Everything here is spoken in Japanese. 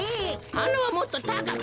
はなはもっとたかく。